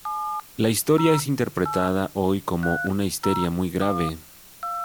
La historia es interpretada hoy como una histeria muy grave.